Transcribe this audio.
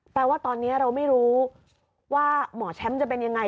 แปลว่าตอนนี้เราไม่รู้ว่าหมอแชมป์จะเป็นยังไง